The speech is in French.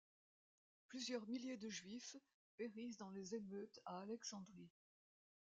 Plusieurs milliers de Juifs périssent dans les émeutes à Alexandrie.